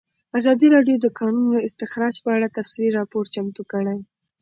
ازادي راډیو د د کانونو استخراج په اړه تفصیلي راپور چمتو کړی.